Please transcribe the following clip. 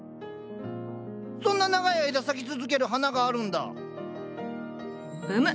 そんな長い間咲き続ける花があるんだ⁉うむ。